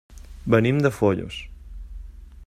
Venim de Foios.